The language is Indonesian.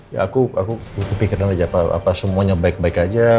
ya aku kepikiran aja semuanya baik baik aja